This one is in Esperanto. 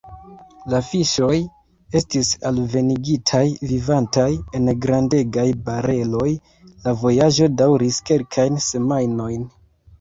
La fiŝoj estis alvenigitaj vivantaj, en grandegaj bareloj, la vojaĝo daŭris kelkajn semajnojn.